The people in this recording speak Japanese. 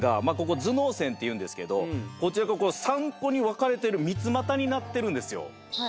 頭脳線っていうんですけどこちらが３個に分かれてる三つまたになってるんですよ。